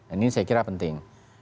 ini saya kira penting